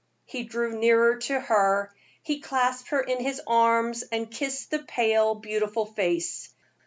He drew nearer to her, he clasped her in his arms, and kissed the pale, beautiful face.